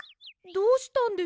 どうしたんです？